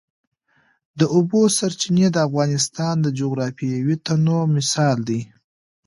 د اوبو سرچینې د افغانستان د جغرافیوي تنوع مثال دی.